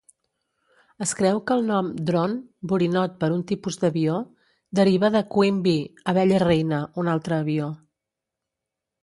Es creu que el nom "drone" (borinot, per un tipus d'avió) deriva de "Queen Bee" (abella reina, un altre avió).